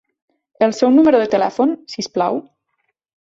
El seu número de telèfon, si us plau?